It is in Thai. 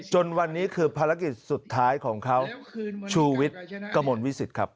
จนวันนี้คือภารกิจสุดท้ายของเขาชูวิทย์กระมวลวิสิตครับ